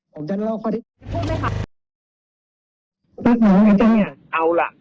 ผมจะเล่าข้อที่พูดไหมครับ